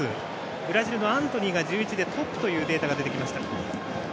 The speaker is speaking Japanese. ブラジルのアントニーが１１でトップというデータが出てきました。